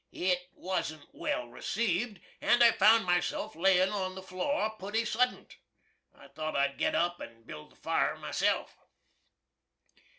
It wasn't well received, and I found myself layin' on the floor putty suddent. I thought I'd git up and bild the fire myself.